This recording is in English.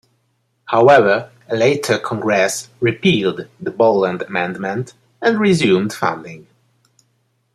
However, a later Congress repealed the Boland Amendment and resumed funding.